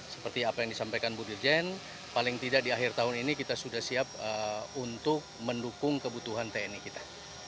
seperti apa yang disampaikan bu dirjen paling tidak di akhir tahun ini kita sudah siap untuk mendukung kebutuhan tni kita